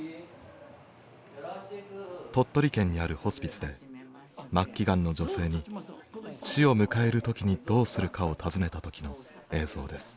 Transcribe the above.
鳥取県にあるホスピスで末期がんの女性に死を迎える時にどうするかを尋ねた時の映像です。